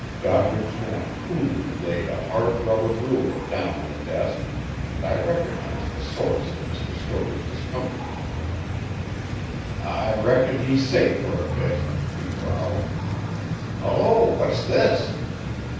Doddridge Knapp coolly laid a hard rubber ruler down on the desk, and I recognized the source of Mr. Storey's discomfiture. "I reckon he's safe for a bit," he growled. "Hullo, what's this?"